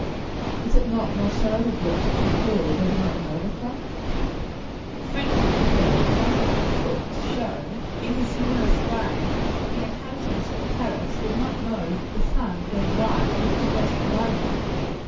Is it not more charitable to conclude they do not know the fact? Franklin, indeed, once undertook to show, in his humorous way, that the inhabitants of Paris did not know that the sun gave light at its first rising.